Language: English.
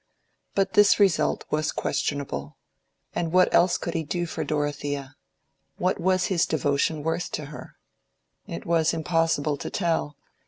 But this result was questionable. And what else could he do for Dorothea? What was his devotion worth to her? It was impossible to tell.